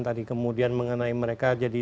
tadi kemudian mengenai mereka jadi